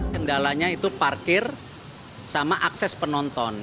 kendalanya itu parkir sama akses penonton